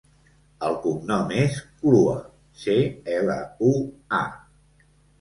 El cognom és Clua: ce, ela, u, a.